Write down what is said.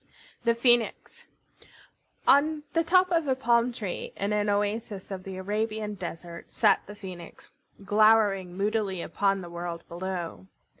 THE PHOENIX On the top of a palm tree, in an oasis of the Arabian desert, sat the Phoenix, glowering moodily upon the world below.